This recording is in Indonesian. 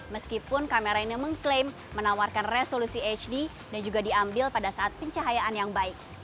meskipun kamera ini mengklaim menawarkan resolusi hd dan juga diambil pada saat pencahayaan yang baik